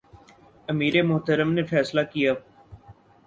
امیر محترم نے فیصلہ کیا